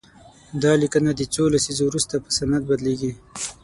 دا لیکنه د څو لسیزو وروسته په سند بدليږي.